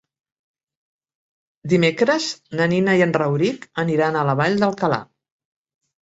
Dimecres na Nina i en Rauric aniran a la Vall d'Alcalà.